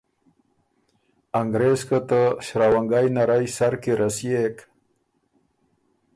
انګرېز که ته شراونګئ نرئ سر کی رسيېک